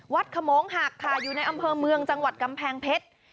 ขโมงหักค่ะอยู่ในอำเภอเมืองจังหวัดกำแพงเพชร